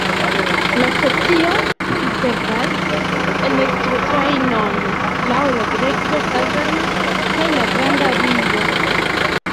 La stacio priservas elektrotrajnojn laŭ la direkto Kazan kaj la Granda Ringo.